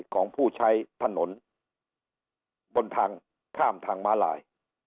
ของผู้ใช้ถนนบนทางข้ามทางม้าลาย